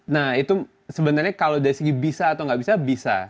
nah itu sebenarnya kalau dari segi bisa atau nggak bisa bisa